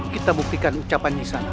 kita buktikan ucapannya sana